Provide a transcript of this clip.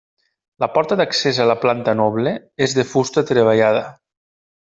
La porta d'accés a la planta noble és de fusta treballada.